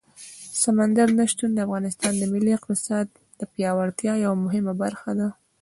سمندر نه شتون د افغانستان د ملي اقتصاد د پیاوړتیا یوه مهمه برخه ده.